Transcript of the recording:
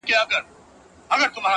زه خو یارانو نامعلوم آدرس ته ودرېدم .